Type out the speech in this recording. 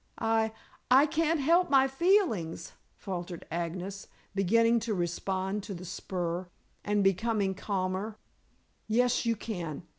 "I I can't help my feelings," faltered Agnes, beginning to respond to the spur, and becoming calmer. "Yes, you can.